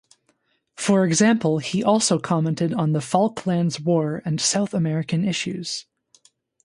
For example he also commented on the Falklands War and South American issues.